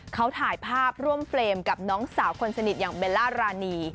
เขาถ่ายภาพร่วมเฟรมกับน้องสาวคนสนิทอย่างเบลล่ารานี